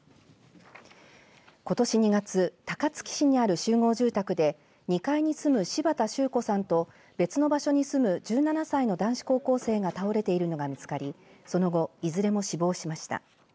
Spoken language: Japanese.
ことし２月高槻市にある集合住宅で２階に住む柴田周子さんと別の場所に住む１７歳の男子高校生が倒れているのが見つかりその後、いずれも死亡しました。